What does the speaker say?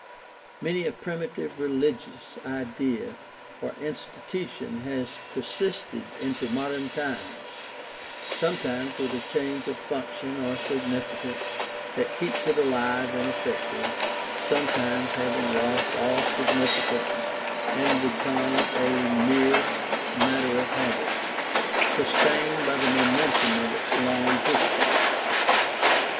Many a primitive religious idea or institution has persisted into modern times, sometimes with a change of function or significance that keeps it alive and effective, sometimes having lost all significance and become a mere matter of habit, sustained by the momentum of its long history.